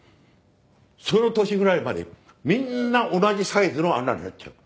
その年ぐらいまでにみんな同じサイズの穴になっちゃう。